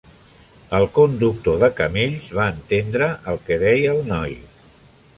El conductor de camells va entendre el que deia el noi.